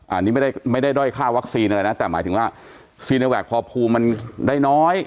อันนี้ไม่ได้ไม่ได้ด้อยค่าวัคซีนอะไรนะแต่หมายถึงว่าซีโนแวคพอภูมิมันได้น้อย